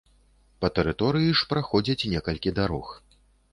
Па тэрыторыі ж праходзяць некалькі дарог.